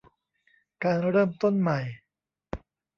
การเริ่มต้นใหม่